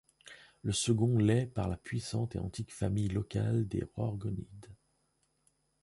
Le second l'est par la puissante et antique famille locale des Rorgonides.